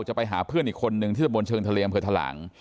จะไปหาเพื่อนอีกคนนึงที่ตะบนเชิงทะเลอำเภอทะหลัง